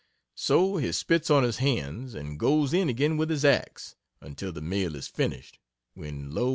So he spits on his hands, and goes in again with his axe, until the mill is finished, when lo!